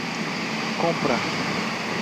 Kompra